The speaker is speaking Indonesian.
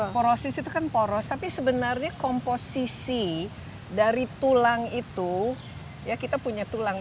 porosis itu kan poros tapi sebenarnya komposisi dari tulang itu ya kita punya tulang